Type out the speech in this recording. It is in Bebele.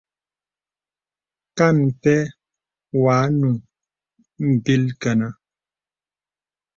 Kàn pɛ̂ wɔ̄ ànùŋ mbìl kənə.